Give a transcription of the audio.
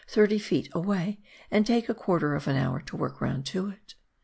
63 rata 30 feet away and take a quarter of an hour to work round to it.